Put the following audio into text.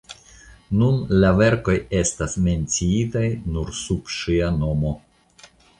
Nun la verkoj estas menciitaj nur sub ŝia nomo.